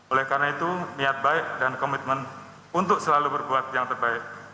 oleh karena itu niat baik dan komitmen untuk selalu berbuat yang terbaik